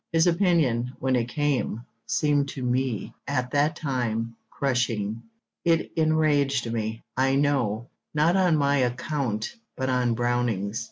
His opinion, when it came, seemed to me, at that time, crushing; it enraged me, I know, not on my account, but on Browning's.